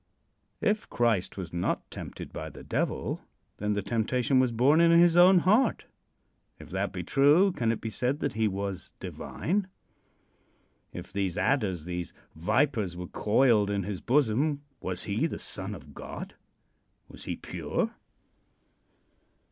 If Christ was not tempted by the Devil, then the temptation was bom in his own heart. If that be true, can it be said that he was divine? If these adders, these vipers, were coiled in his bosom, was he the son of God? Was he pure?